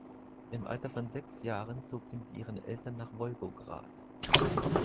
Im Alter von sechs Jahren zog sie mit ihren Eltern nach Wolgograd.